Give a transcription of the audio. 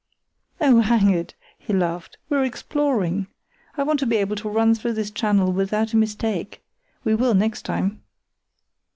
"Oh, hang it!" he laughed, "we're exploring. I want to be able to run through this channel without a mistake. We will, next time."